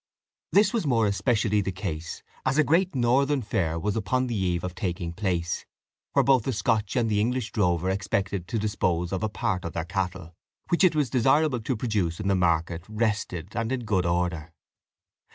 This was more especially the case, as a great northern fair was upon the eve of taking place, where both the Scotch and English drover expected to dispose of a part of their cattle, which it was desirable to produce in the market rested and in good order.